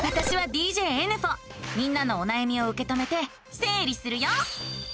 みんなのおなやみをうけ止めてせい理するよ！